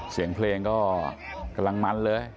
เสียงเพลงก็กำลังมันเลย